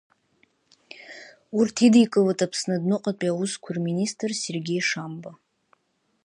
Урҭ идикылоит Аԥсны Адәныҟатәи Аусқәа рминистр Сергеи Шамба.